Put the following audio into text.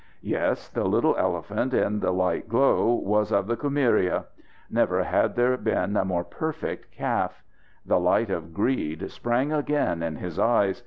Yes the little elephant in the light glow was of the Kumiria. Never had there been a more perfect calf. The light of greed sprang again in his eyes.